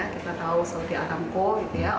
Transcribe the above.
kita tahu saudi arab co